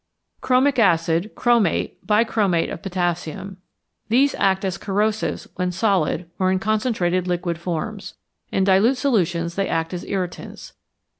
=Chromic Acid, Chromate, Bichromate of Potassium.= These act as corrosives when solid or in concentrated liquid forms. In dilute solutions they act as irritants.